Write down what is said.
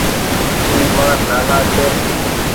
اي مآر نآنآ ڇي۔